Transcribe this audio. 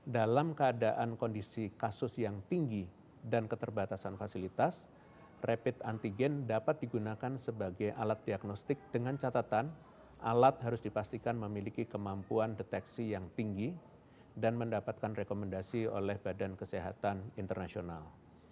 dalam keadaan kondisi kasus yang tinggi dan keterbatasan fasilitas rapid antigen dapat digunakan sebagai alat diagnostik dengan catatan alat harus dipastikan memiliki kemampuan deteksi yang tinggi dan mendapatkan rekomendasi oleh badan kesehatan internasional